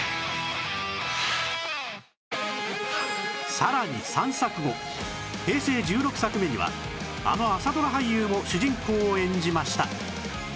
さらに３作後平成１６作目にはあの朝ドラ俳優も主人公を演じました